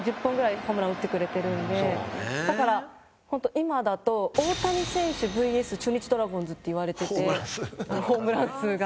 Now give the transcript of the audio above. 今だと「大谷選手ＶＳ中日ドラゴンズ」っていわれててホームラン数が。